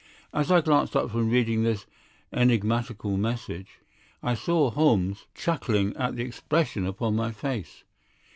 As I glanced up from reading this enigmatical message, I saw Holmes chuckling at the expression upon my face.